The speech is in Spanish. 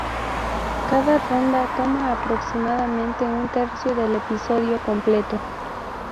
Cada ronda toma aproximadamente un tercio del episodio completo.